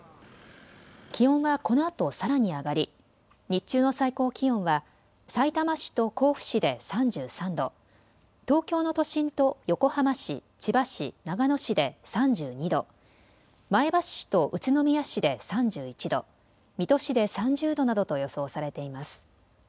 気温はこのあとさらに上がり日中の最高気温はさいたま市と甲府市で３３度、東京の都心と横浜市、千葉市、長野市で３２度、前橋市と宇都宮市で３１度、水戸市で３０度などと予想されています。